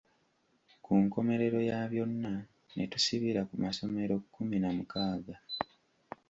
Ku nkomerero ya byonna ne tusibira ku masomero kkumi na mukaaga.